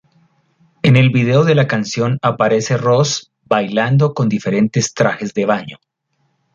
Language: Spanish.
En el video de la canción aparece Ross bailando con diferentes trajes de baño.